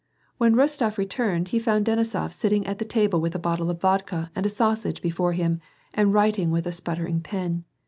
When Eostof returned, he found Denisof sitting at the table with a bottle of vodka and a sausage before him, and writing with a sputtering pen.